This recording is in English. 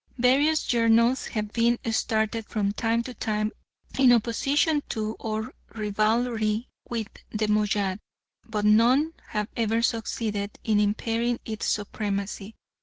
Various journals have been started from time to time in opposition to or rivalry with the Moayyad, but none have ever succeeded in impairing its supremacy.